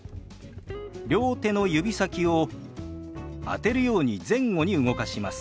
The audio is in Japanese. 両手の指先を当てるように前後に動かします。